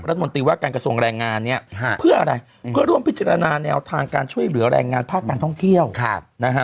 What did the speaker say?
รัฐมนตรีว่าการกระทรวงแรงงานเนี่ยเพื่ออะไรเพื่อร่วมพิจารณาแนวทางการช่วยเหลือแรงงานภาคการท่องเที่ยวนะฮะ